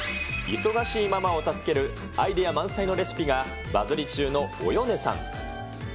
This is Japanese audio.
忙しいママを助けるアイデア満載のレシピがバズり中のおよねさん。